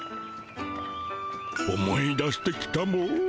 思い出してきたモ。